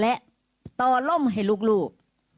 และต่อล่มให้ลูก